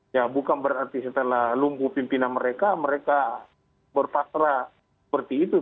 ya bukan berarti setelah lumpuh pimpinan mereka mereka berpasrah seperti itu